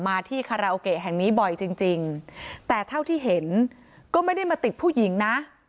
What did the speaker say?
มาที่คาราโอเกะแห่งนี้บ่อยจริงจริงแต่เท่าที่เห็นก็ไม่ได้มาติดผู้หญิงนะ